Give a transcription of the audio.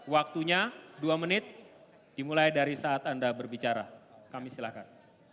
waktunya dua menit dimulai dari saat anda berbicara kami silakan